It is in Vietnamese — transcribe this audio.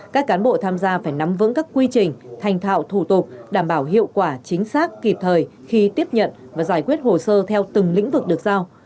các cán bộ tham gia phải nắm vững các quy trình thành thạo thủ tục đảm bảo hiệu quả chính xác kịp thời khi tiếp nhận và giải quyết hồ sơ theo từng lĩnh vực được giao